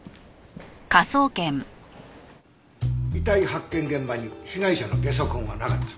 遺体発見現場に被害者のゲソ痕はなかった。